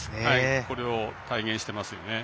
これを体現していますよね。